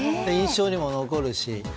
印象にも残るし。